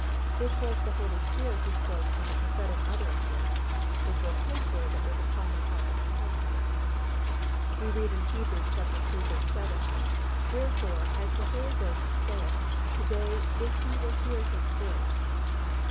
It was the Holy Spirit who spoke in the prophetic utterances. It was His word that was upon the prophet's tongue. We read in Heb. iii. 7, "Wherefore as the Holy Ghost saith, To day if ye will hear His voice."